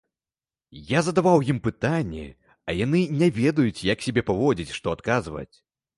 Я задаваў ім пытанні, а яны не ведаюць, як сябе паводзіць, што адказваць.